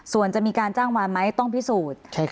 ส่วนจะมีการจ้างวานไหมต้องพิสูจน์